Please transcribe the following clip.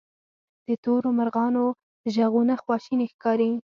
د تورو مرغانو ږغونه خواشیني ښکاري.